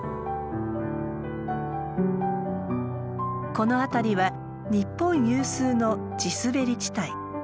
この辺りは日本有数の地すべり地帯。